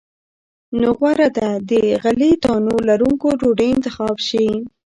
نو غوره ده د غلې- دانو لرونکې ډوډۍ انتخاب شي.